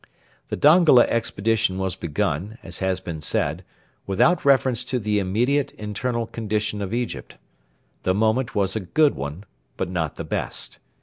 The Dongola expedition was begun, as has been said, without reference to the immediate internal condition of Egypt. The moment was a good one, but not the best.